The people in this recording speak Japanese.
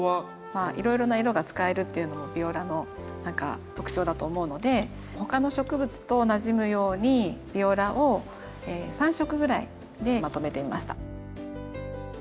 まあいろいろな色が使えるっていうのもビオラの何か特徴だと思うので他の植物となじむようにビオラを３色ぐらいでまとめてみました。